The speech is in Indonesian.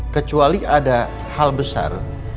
kecuali ada hal besar